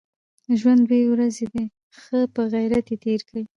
ژوند دوې ورځي دئ، ښه په عزت ئې تېر کئ!